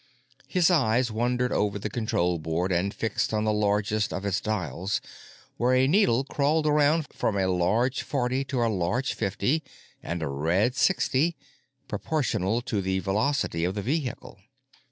His eyes wandered over the control board and fixed on the largest of its dials, where a needle crawled around from a large forty to a large fifty and a red sixty, proportional to the velocity of the vehicle.